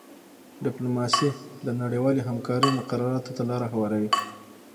ډیپلوماسي د نړیوالې همکارۍ مقرراتو ته لاره هواروي